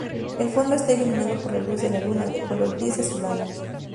El fondo está iluminado por la luz de la luna, de color gris azulado.